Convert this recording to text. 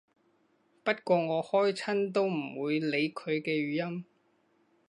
不過我開親都唔會理佢嘅語音